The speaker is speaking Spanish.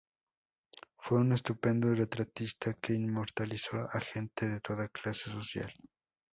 Fue un estupendo retratista que inmortalizó a gente de toda clase social.